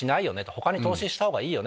他に投資した方がいいよね。